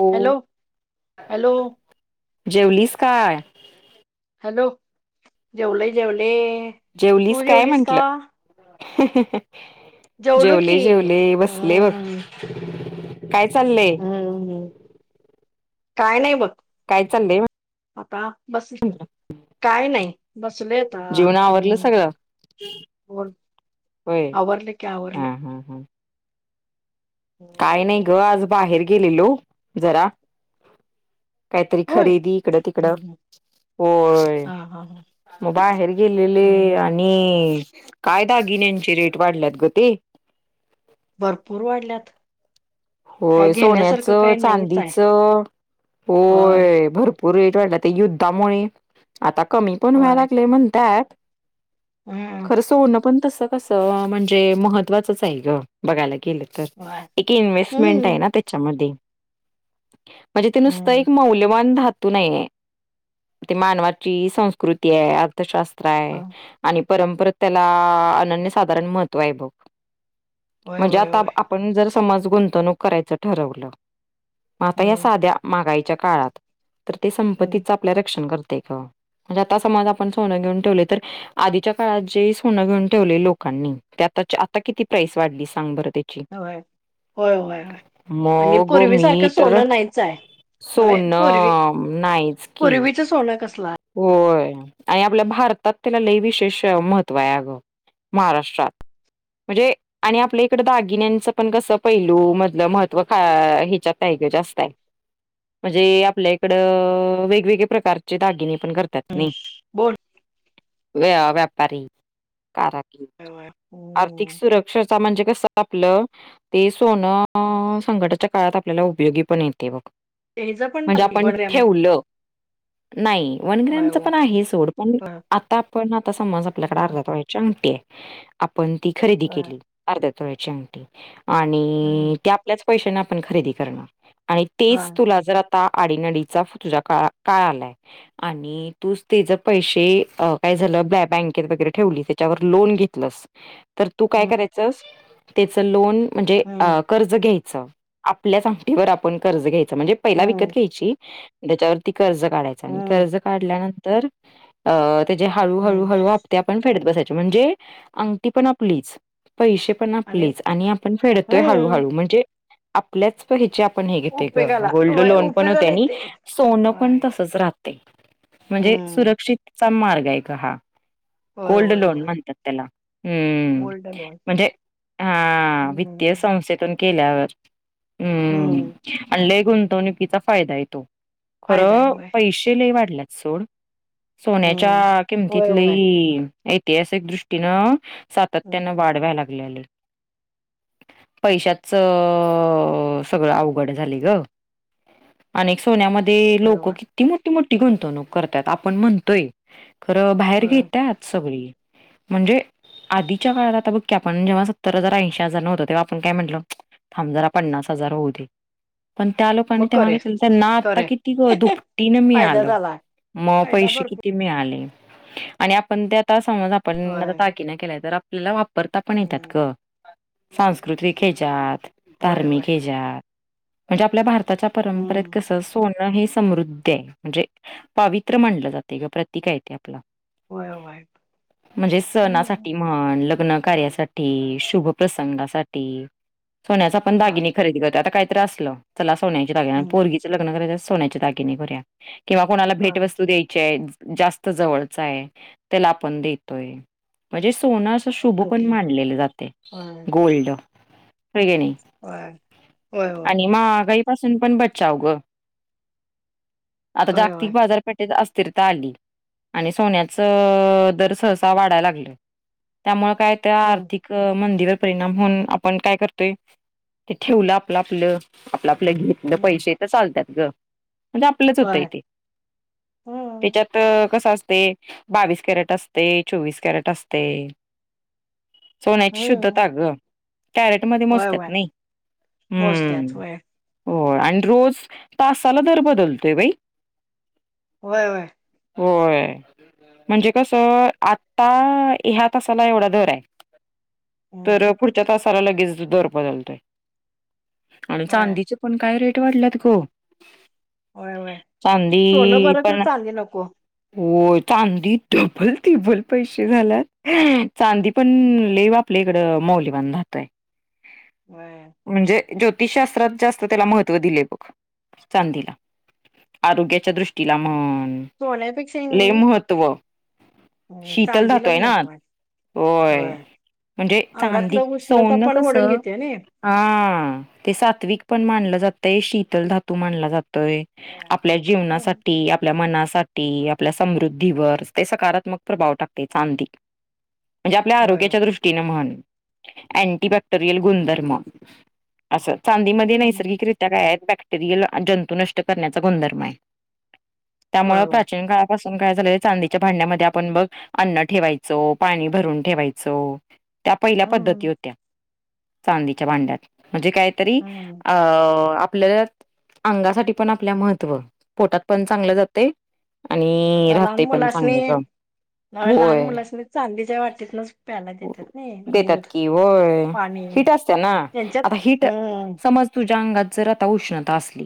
हो hello hello जेवलीस काय हॅलो जेवल जेवले तू काय जेवलीस का म्हंटलं जेवलो की जेवले जेवले बसले बघ हम्म काय चाललंय हम्म काय नाही बघ काय चाललंय आता बस काय नाही बसलेता जेवण आवरलं हम् सगळं ब होय अर्ल कवर्ल हा हा हा काय नाही ग आज बाहेर गेलेलो जरा काहीतरी होय खरेदी इकडं तिकडं हम्म होय हा हा हा मग बाहेर गेलेले हम्म आणि काय दागिन्यांची रेट वाढल्यात ग ते भरपूर वाढल्यात काय होय सोन्याच घेण्यासारखं काही नाहीच आहे चांदीचं होय भरपूर पुरट वाटला ते युद्धामुळे आता कमी पण व्हायला होय लागले म्हणतात हम्म खर स होनं पण तस कस म्हणजे महत्त्वाचंच आहे ग बघायलाे बघायला गेलं तर होय एक इनवेसमेंट हम्म आहे ना त्याचं मध्ये म्हणजे ते नुसत हम्म एक मौल्यवान त नाही ते मानवाची संस्कृती आहे अर्थशास्त्र आहे आणि परंपरा त्याला अनन्य साधारण महत्त्व आहे बघ होय म्हणजे होय आता होय आपण जर समज गुंतवणूक करायचं ठरवलं माता या हम्म सा हम्म म्हणजे आता समज आपण सोनं घेऊन ठेवलय तर आधीच्या काळात जे सोनं घेऊन ठेवलय लोकांनी त्यात त्याची आता किती प्राइस वाढली सांग बरं त्याची होय होय होय होय आणि मग पूर्वी मी सारखं तर सोनं नाहीच हाय नव्हॆ पूर्वी सोनं नाहीच की पूर्वीच सोनं कसल हाय होय आणि आपल्या भारतात त्याला लय विशेष महत्त्व हाय अगं महाराष्ट्रात म्हणजे आणि आपल्या इकड दागिन्यांच पण कसं पैलू मधलं महत्त्व का हेच्यात ट जास्त हाय म्हणजे आपल्या इकडं अं वेगवेगळे प्रकारचे दागिने करत्यात नें बोल व्य व्यापारी कारा आर्थिक हम्म सुरक्षाच म्हणजे कसं आपलं ते सोनं अं संकटाच्या काळात आपल्याला उपयोगी पण येतंय बघ तेच पण म्हणजे आपण आमचं ठेवलं, नाही वन होय ग्रॅमच होय पण आहे सोड पण होय आता आपण आता समज आपल्याकड होय अर्ध्या तोळ्याची अंगटी आहे आपण ती खरेदी होय केली अर्ध्या तोळ्याची अंगठी हम्म आणि ती आपल्या च पैशानं आपण खरेदी करणार आणि तेच होय तुला जर आता ता आडीनडीचा तुझा काळ काळ आलाय आणि तूच तेज पैसे अं काय झालं बॅ बँकेत वगैरे ठेवली त्याच्यावर लोन घेतलंस तर तू काय हम्म करायचस तेच लोन म्हणजे हम्म अं कर्ज घ्यायच च आपल्याच अंगठीवर आपण कर्ज घ्यायच म्हणजे पहिला विकत हम्म घ्यायची त्याच्यावरती कर्ज काढायच आणि हम्म कर्ज काढल्यानंतर अ त तेजे हळू हळू हम्म हळू हप्ते आपण फेडत बसायचे म्हणजे अंगठी पण आपलीच पैसे पण आपलेच आणि आपण फेडतोय हळू हम्म हळू म्हणजे आपल्याच हे च्यात आपण हे घेतोय ग, उपेगाला गोल्ड होय लोन पण होतयं उपेगाला आणि येते सोनं पण होय तसच राह तय म्हणजे हम्म सुरक्षितचा मार्ग हाय ग हा होय गोल्ड होय लोन होय म्हणतात त्याला हम्म गोल्डन होय म्हणजे हा वित्तीय हम्म संस्थेेतून केल्यावर हम् हम्म आणि लय गुंतवणुकीचा फायदा हाय तो फायदा आहे खरं होय पैशे लय वाढल्यात सोड, हम्म सोन्याच्या किमतीत होय लय होय ऐतिहासिक दृष्टीनं सातत्यान हम्म वाढ व्याय लागल्या लय पैशाच अं अ अ सगळं अवघड झालय ग अनेक सोन्यामध् ध्ये होय लोक होय किती मोठी मोठी गुंतवणूक करत्यात आपण म्हणतोय खरं बाहेर होय घेत सगळी म्हणजे आधीच्या काळात आता बघ की आपण जेव्हा सत्तर हजार ऐंशी हजार न होत तेव्हा आपण काय म्हटलं थांब जरा पन्नास हजार होऊ दे पण त्या लोकांनी मग तेव्हा करे घेतलेलं त्यांना आता करे किती गं दुपटीनं फायदा मिळालं झालाय. म फायदा पैसे भरपूर किती मिळाले आणि आपण ते आता समज आपण आता होय दागिना केलाय तर आपल्याला वाप परता पण येत्यात हम्म ग सांस्कृतिक हेज्यात होय होय धार्मिक हेज्यात म्हणजे आपल्या भारताच्या परंपरेत हम्म कसं सोनं नं हे समृद्धि हाय, म्हणजे पावित्र मानलं जातय ग प्रतिक आहे ते आपलं होय होय म्हणजे हम्म सणासाठी म्हण ल ग्न कार्यासाठी शुभ प्रसंगासाठी सोन्याचं आपण होय दागिने खरेदी करतोय आता काय तर आसलं चला सोन्याचे दागिने हम्म पोरगीचं लग्न करायच सोन्याचे दगिने करूया किंवा कोणाला होय भेटवस्तू द्यायची आहे जास्त जवळ च हाय तेला आपण देतोय म्हणजे सोनं शुभ पण सांगते मानलेल जातय होय गोल्ड व्हय कने होय होय होय आणि महागाई पासून पण बचाव ग, आता होय होय जागतिक बाजारपेठेत अस थरता आली आणि सोन्याच दर सहसा वाढायला लागल त्यामुळे काय त्या हम्म आर्थिक मंदिरात परिणाम होऊन आपण काय करतोय ते ठेवलं आपलं आपलं आप आपलं घेतलं हम्म पैसे तर चालतात ग म्हणजे आपलंच होतंय होय ते हम्म त्याच्यात कस असत बावीस कॅरेट असते चोवीस कॅरेट असते सोन्याची हम्म शुद्धता ग कॅरेटमध्येध्ये होय मोजतात होय नाही मोजत्यात हम्म होय हो आणि रोज तासाला दर बदलतोय बाई होय होय होय म्हणजे कस आता ह्या तासाला एवढा दर आहे हम्म तर पुढच्या तासाला लगेच दर बदलतय आणि होय चांदीचे पण काय रेट वाढल्यात ग होय होय सोनं चांदी बरं खरं पण चांदी नको हो चांदी डबल टिब्बल पैसे झालात चांदी पण लय आपल्या इकडं मौल बनधातय व्हय ज्योतिषशास्त्रात जास्त त्याला महत्त्व दिलेय बघ चांदीला आरोग्याच्या दृष्टीला मग बोलायपेक्षाही म हो हम् चांदीलाच महत्त्व आहे होय म्हणजे चांदी अंगातलं उष्णता सोन पण कस ओढून घेते नई हा ते सात्विक पण मानलं जातय शीतल धातू मानला जात होय आपल्या हम्म. जीवनासाठी आपल्या मनासाठी आपल्या समृद्ध दिवर्स ते सकारात्मक प्रभाव टाकते चांदी म्हणजे आपल्या होय आरोग्याच्या दृष्टीने म्हण आंटीबाॅक्टरयल गुंधर्म असं चांदीमध्येध्ये हम्म नैसर्गिकरित्या काय आहेत बॅक्टेरियल जंतू नष्ट करण्याचा गुणधर्म आहे त्यामुळे होय होय प्राचीन काळापासून काय झालं चांदीच्या भांड्यामध्ये आपण बघ अन्न ठेवायचो पाणी भरून ठेवायचो त्या पहिल्या पद्धती हम्म होत्या चांदीच्या भांड्यात म्हणजे काहीतरी हम्म अ आपल्या अंगासाठी पण आपल्या महत्व पोटात पण चांगलं जाते आणि राहतेय पण चांगलं का ह लहान मुलासनी चांदीच्या वाटीतनच प्यायला देतात ना देतात दूध की होय पाणी हिट असते ना त्यांच्यात आता हिट हम्म समज तुझ्या अंगात जर उष्णता असली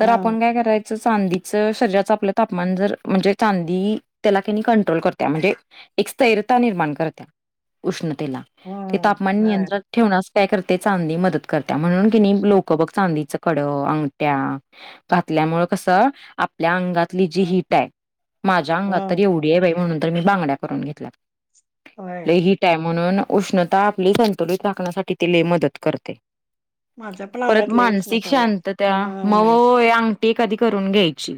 तर हम्म आपण काय कराय चांदीच शरीराच आपलं तापमान जर म्हणजे चांदी त्याला तकणी कंट्रोल करत्या म्हणजे एक स्थरता निर्माण करत्या उष्ण ते हम्म तापमान होय नियंत्रण ठेवण्या काय रत्या चांदि मदत करत्या म्हणून लोक चांदीच कड अ घ आपल्यामुळे कस आपल्या अंगातली जी हीट आहे माझ्या अंगात तर हम्म एवढी आहे बाई म्हणून तर मी बांगड्या करून घेतल्या होय हीटय म्हणून उष्णता आपली संतुलित रााखण्यासाठी तिल लय मदत करते माझ्या पण परत अंगात लय मानसिक उष्णता आहे शांतता त्या बाई म हम्म अंगठीी कधी करून घायची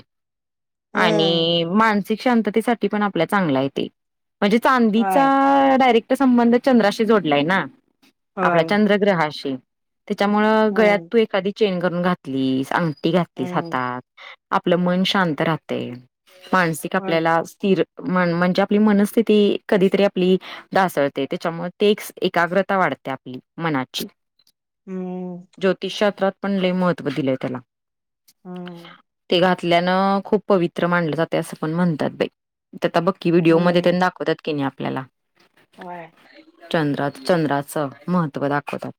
हम्म आणि मानसिक शांततेसाठी पण आपल्याला चांगला हाय तेमनजे चांदीचा होय डायरेक्ट संबंध चंद्राशी जोडलाय ना आपल्या होय चंद्रग्रहाशी त्याच्यामुळं गळ्यात हम्म तू एखादी चेन करून घातलीस अंगठीी घातलीस हम्म हातात आपलं मन शांत राहते मानसिक होय आपल्याला स्थिर म्हणजे आपली मनस्थिती कधीतरी आपली ासळते त्याच्यामुळे ते एकाग्रता वाढते मनाची हम्म ज्योतिषशास्त्रात पण लय महत्त्व दिलेय त्याला हम्म ते घातल्यानं खूप पवित्र मानलं जाते असं पण म्हणतात बाई आता बक्की व्हिडीओमध्ये हम्म त्यां दाखवत की नाही आपल्याला होय चंद्रात चंद्राचं महत्त्व दाखवतात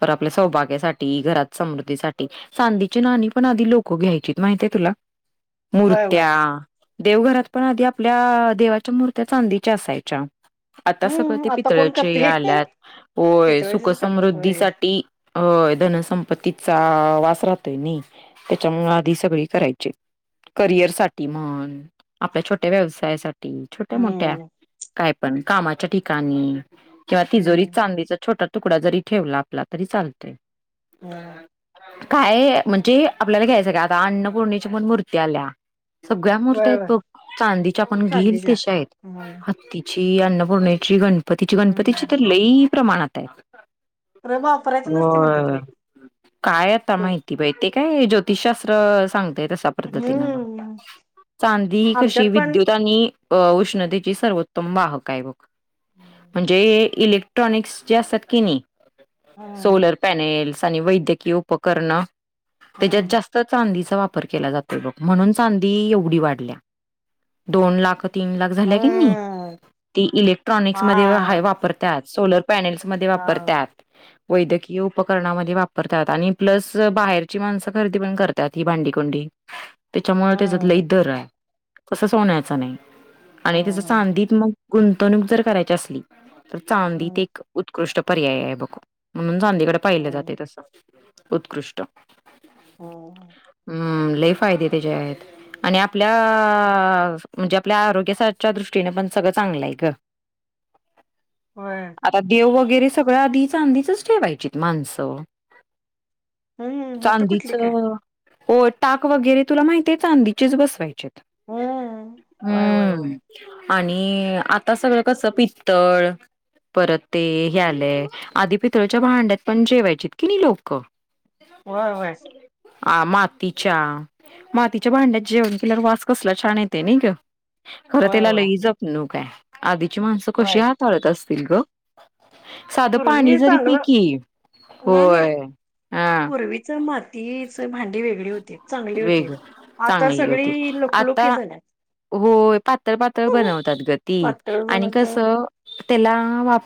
तर आपल्या सौभाग्यासाठी घरात समृद्धीसाठी चांदीची नाणी पण आधी लोकं घ्यायची माहिती तुला होय मूर्त्या होय देवघरात पण आधी आपल्या देवाच्या मूर्त्या चांदीच्या असायच्या आता सगळं हम्म ते आता कोण पितळ्याचे करते आल्यात होय पितळेचेच करतात होय सुखसमृद्धीसाठी हो धनसंपत्तीचा वास राहतोय नाही त्याच्यामुळे आधी सगळे करायचे करिअर साठी म्हण आपल्या छोट्या व्यवसायासाठी छोट्या मोठ्या हम्म काय पण कामाच्या ठिकाणी किंवा तिजोरी हम्म चांदीच छोट तुकडा जरी ठेवला आपला तरी चालत हो काय म्हणजे आपल्याला घ्यायचं का आता अन्नपूर्णेच्या मण मूर्ती आल्या सगळ्या मर्त्या होय आहेत होय बघ चांदीच्या पण घेईल चांदीच्या तशा आहेत हम्म हत्तीचे अन्नपूर्णेची गणपतीची गणपतीची हम्म तर लई प्रमाणात आहे खरं वापरायच नसते म्हणतात हो बाई काय आता देव माहिती बाई ते काय ज्योतिषशास्त्र सांगतेय तशा पद्धती हम्म चांदी ही आमच्यात कशी पण विद्युत आणि उष्णतेची सर्वोत्तम वाहक आहे बघ हम्म म्हणजे इलेक्ट्रॉनिकस जे असतात की नाही हम्म सोलर पॅनेल्स वैद्यकीय उपकरण त्याच्यात जास्त चांदीचा वापर केला जातो म्हणून चांदी एवढी वाढल्या दोन लाख तीन लाख झाल्या कनी हम्म ती इलेक्ट्रॉनिक हा मध्ये हाय वापरत्यात सोलर पॅनेल्स मध्ये हा वापरत्यात वैद्यकीय उपकरणामध्ये वापरतात आणि प्लस बाहेरची माणसं खरेदी पण करतात ही भांडीकोंडी त्याच्यामुळे त्याच लै हम्म दर आहे तड सोन्याच नाही आणि त्याच हम्म चांदीत मग गुंतवणूक जर करायची असली तर चांदी ते हम्म एक उत्कृष्ट पर्याय आहे बघ म्हणून चांदीकड पाहिलं हम्म जातंय तस उत्कृष्ट हम्म लई फायदे त्याचे आहेत आणि आपल्या म्हणजे आपल्या आरोग्याच्या दृष्टीने पण सगळं चांगलंय ग होय आता देव वगैरे सगळ आधीच चांदीचच ठेवायची माणसं हम्म आता कुठली चांदीच काय हो टाक वगैरे तुला माहितीय आहे चांदीीचेच बसवायचे हम्म होय होय होय हम्म आणि आता सगळं कस पि तळ परत ते हे आलेय आधी पितळच्या भांड्यात पण जेवायचीत कि नाही लोक होय होय आ माती अच्छा मातीच्या भांड्यात जेवण केल्यावर वास कसला छान येते नाही ग खरं होय त्याला होय लई जपणूकय आधीची माणसं कशी होय हाताळत असतील ग साधं पाणी पूर्वी जरी चांगल पी की. नाही नाही होय. हा पूर्वीच मातीच भांडी वेगळी होते चांगली होती वेग आता चांगली होती. सगळी लुकलूकीत आता झाल्यात होय पातळ बनवतात गती पातळ आणि कस बनवते त्याला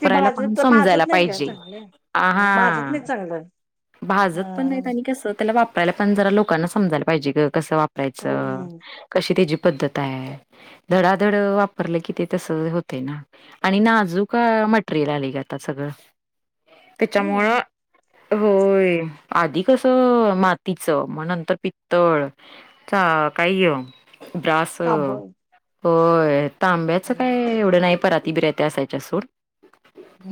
ते पण भाजत समजायला भाजत पाहिे नाहीत का चांगलं माझत नाही चांगलं भाजत पण नाहीत हम् आणि कसं त्याला वापरायला पण जरा लोकांना समजायला पाहिजे क कस वा राच हम्म कशी ते पद्धत आहे धडाधड वापरलं की ते तस होते ना आणि नाजूक मटरेल आ आलय कि सगळ त्याच्यामुळ हम्म होय आधी कसं मातीचं मग नंतर पितळ चा काही ब्रास तांब होय. तांब्याच काय एवढं नाही पर ति बित्र्या असायच्या सोड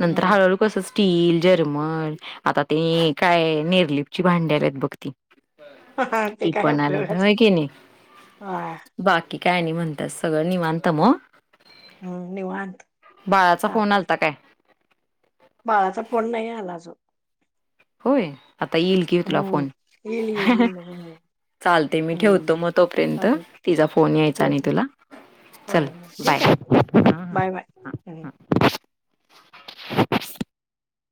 नंतर हळूहळू कस स्टील जर्मन आता ते काय निरलिपची भांडे आलेत बघ त ते ती काय पण आलेत. हो उपयोगाच क नाही हा बाकी काय नाही म्हणतेस. सगळं निवांत मग हम् निवांत बाळाचा फोन चालते आलता काय? बाळाचा फोन नाही आला अजून. होय. आता येईल कि तुला हम्म फोन येईल येईल येईल चालतय मी ठेवतो. हम्म मग तोपर्यंत चालते तिचा फोन यायचा आणि तुला हो चल न ठेवू बाय काय. Bye bye [inaudible] [inaudible]